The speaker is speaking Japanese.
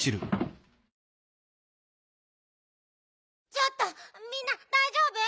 ちょっとみんなだいじょうぶ？